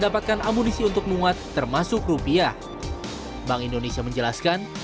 bank indonesia menjelaskan